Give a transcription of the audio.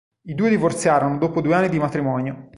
I due divorziarono dopo due anni di matrimonio.